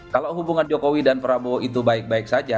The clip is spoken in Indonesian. kalau hubungan jokowi dan prabowo itu baik baik saja